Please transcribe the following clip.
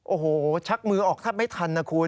โอ้โหใช้มือออกถ้าก็ไม่ทันนะคุณ